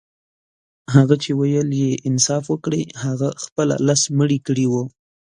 هغه چي ويل يې انصاف وکړئ هغه خپله لس مړي کړي وه.